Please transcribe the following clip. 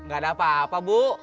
gak ada apa apa bu